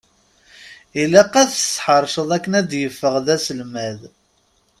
Ilaq ad t-tesseḥṛeceḍ akken ad d-yeffeɣ d aselmad!